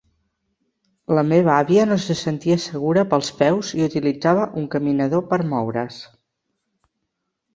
La meva àvia no se sentia segura pels peus i utilitzava un caminador per moure"s